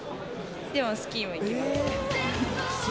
でも、スキーも行きます！